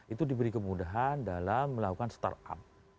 itu diberi kemudahan dalam melakukan startup